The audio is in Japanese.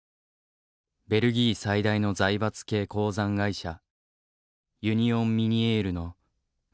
ベルギー最大の財閥系鉱山会社ユニオン・ミニエールの幹部だった人物だ。